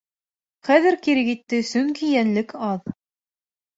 Хәҙер кире китте, сөнки йәнлек аҙ.